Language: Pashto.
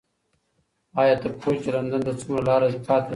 ایا ته پوهېږې چې لندن ته څومره لاره پاتې ده؟